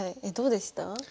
えどうでした？